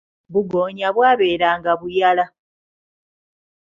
Bugoonya bwaberanga buyala.